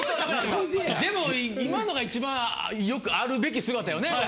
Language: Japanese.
でも今のが一番よくあるべき姿よね。